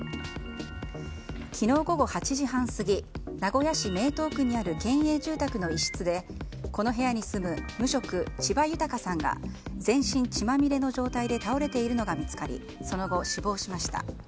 昨日午後８時半過ぎ名古屋市名東区にある県営住宅の一室でこの部屋に住む無職、千葉豊さんが全身血まみれの状態で倒れているのが見つかりその後、死亡しました。